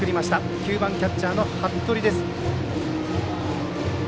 ９番キャッチャーの服部です。